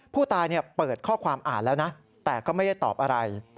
ผู้ตายเปิดข้อความอ่านแล้วนะแต่ก็ไม่ได้ตอบอะไร